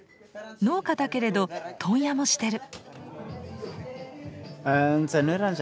農家だけれど問屋もしてる。